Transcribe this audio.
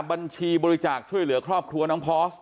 บัญชีบริจาคจะมีเกี่ยวข้อบครัวน้องพอร์ส